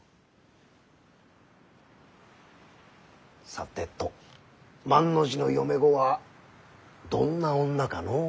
さてと万の字の嫁御はどんな女かのう？